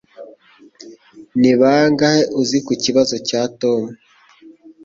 Ni bangahe uzi ku kibazo cya Tom?